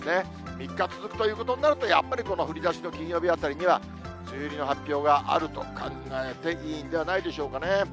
３日続くということになると、やっぱり、この降りだしの金曜日あたりには、梅雨入りの発表があると考えていいんではないでしょうかね。